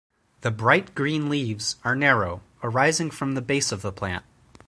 The bright green leaves are narrow, arising from the base of the plant.